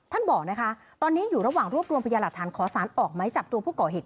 บอกนะคะตอนนี้อยู่ระหว่างรวบรวมพยาหลักฐานขอสารออกไม้จับตัวผู้ก่อเหตุ